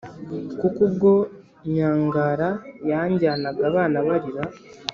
kuko ubwo nyangara yajyanaga abana barira,